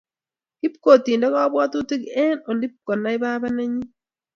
Kimkotindo kapwatutik eng olepkonai baba nanyin.